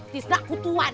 tis nak kutuan